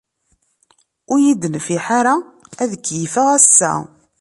Ur yi-d-tenfiḥ ara ad keyyfeɣ assa.